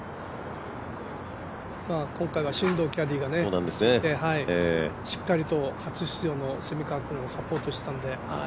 今回は進藤キャディーがしっかりと初出場の蝉川君をフォローしてましたんで。